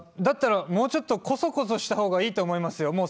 だったらもうちょっとコソコソした方がいいと思いますよ。